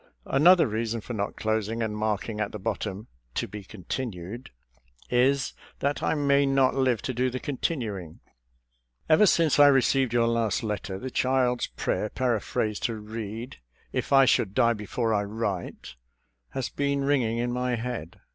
Another reason for not closing and marking at the bottom " to be continued " is that I may not live to do the continuing. Ever since I received your last letter the child's prayer paraphrased to read " If I should die before I write " has been ringing in my head.